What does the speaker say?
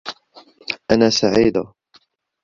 أنا سعيدة.